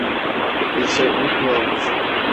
Bir şey unutmuyor musun?